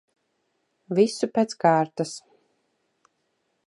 Visu pēc kārtas.